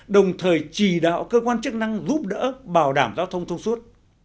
đồng thời chỉ đạo cơ quan chức năng giúp đỡ bảo đảm giao thông thông suốt